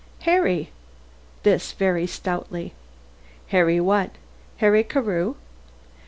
"Harry," this very stoutly. "Harry what? Harry Carew?"